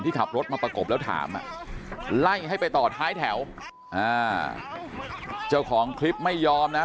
ขับรถมาประกบแล้วถามอ่ะไล่ให้ไปต่อท้ายแถวอ่าเจ้าของคลิปไม่ยอมนะ